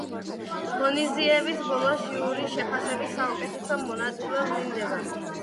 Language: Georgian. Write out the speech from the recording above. ღონისძიების ბოლოს ჟიურის შეფასებით საუკეთესო მონაწილე ვლინდება.